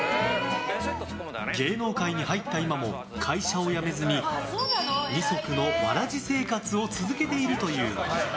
芸能界に入った今も会社を辞めずに二足のわらじ生活を続けているという。